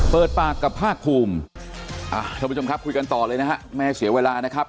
เปิดปากกับภาคภูมิท่านผู้ชมครับคุยกันต่อเลยนะฮะไม่ให้เสียเวลานะครับ